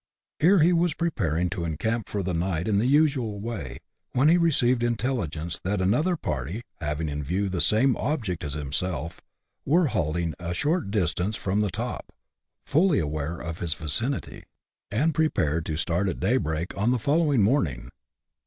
Here he was preparing to encamp for the night in the usual way, when he received intelligence that another party, having in view the same object as himself, were halting at a short distance from the top, fully aware of his vicinity, and prepared to start at daybreak on the following morning.